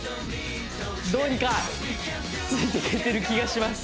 どうにかついていけてる気がします